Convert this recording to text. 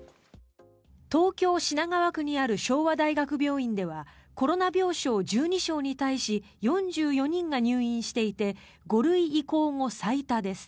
東京・品川区にある昭和大学病院ではコロナ病床１２床に対し４４人が入院していて５類移行後最多です。